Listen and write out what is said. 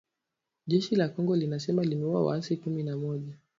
Jeshi la Kongo linasema limeua waasi kumi na mmoja